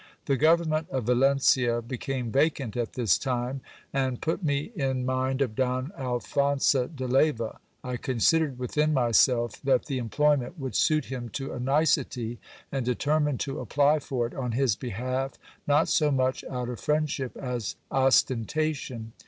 The government of Valencia became vacant at this time ; and put me in mind of Don Alphonso de Leyva. I considered within myself that the em ployment would suit him to a nicety ; and determined to apply for it on his be ll ilf, not so much out of friendship as ostentation.